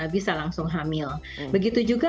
bisa langsung hamil begitu juga